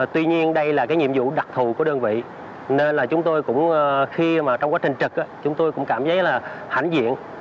tuy nhiên đây là nhiệm vụ đặc thù của đơn vị nên trong quá trình trực chúng tôi cũng cảm thấy hãnh diện